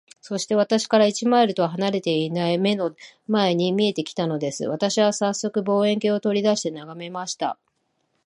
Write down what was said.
そして、私から一マイルとは離れていない眼の前に見えて来たのです。私はさっそく、望遠鏡を取り出して眺めました。